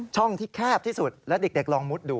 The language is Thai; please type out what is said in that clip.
ช่องที่แคบที่สุดแล้วเด็กลองมุดดู